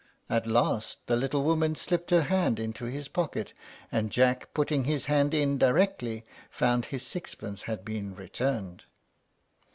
At last, the little woman slipped her hand into his pocket, and Jack, putting his hand in directly, found his sixpence had been returned.